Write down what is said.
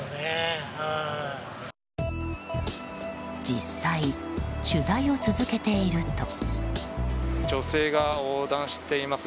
実際、取材を続けていると。